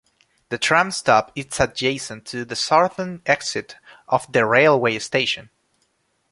The tram stop is adjacent to the southern exit of the railway station.